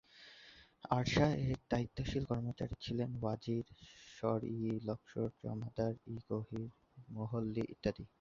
আরসাহ এর দায়িত্বশীল কর্মচারী ছিলেন ওয়াজির, শর-ই-লস্কর, জমাদার-ই-গহির মুহল্লী ইত্যাদি।